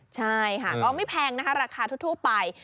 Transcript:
ใช่ค่ะก็ไม่แพงนะคะราคาทั่วไป